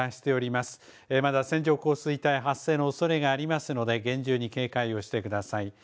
また線状降水帯発生のおそれがありますので厳重に警戒をしてください。